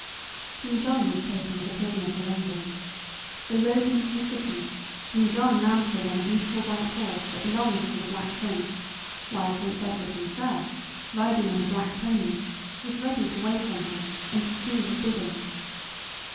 King John was taken as a prisoner to London. They rode into the city, King John mounted on a beautiful white horse that belonged to the Black Prince, while Prince Edward himself, riding on a black pony, was ready to wait on him, and to do his bidding.